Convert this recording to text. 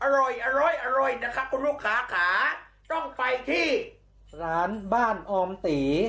อร่อยอร่อยนะครับคุณลูกค้าขาต้องไปที่ร้านบ้านออมตี